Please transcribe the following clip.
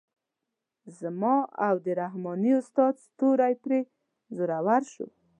زما او د رحماني استاد ستوری پرې زورور شو.